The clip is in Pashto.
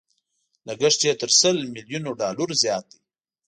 لګښت يې تر سل ميليونو ډالرو زيات دی.